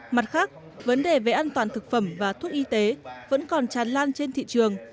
mặt khác vấn đề về an toàn thực phẩm và thuốc y tế vẫn còn tràn lan trên thị trường